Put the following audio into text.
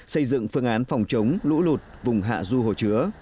xây dựng phương án phòng chống lũ lụt vùng hạ du hồ chứa